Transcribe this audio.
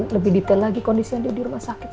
lebih detail lagi kondisi andin di rumah sakit